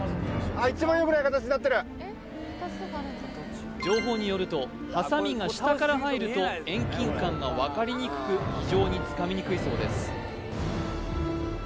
一番よくない形になってる情報によるとハサミが下から入ると遠近感が分かりにくく非常につかみにくいそうです